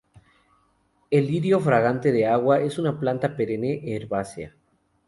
El lirio fragante de agua es una planta perenne herbácea.